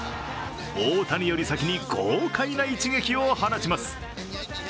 大谷より先に豪快な一撃を放ちます。